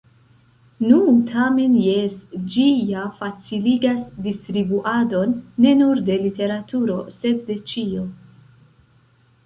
Nu, tamen jes, ĝi ja faciligas distribuadon, ne nur de literaturo, sed de ĉio.